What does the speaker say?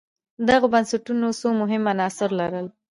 دغو بنسټونو څو مهم عناصر لرل